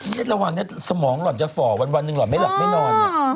นี่ระหว่างแล้วสมองหล่อนจะฝ่าเขาวันไม่หลับไม่นอน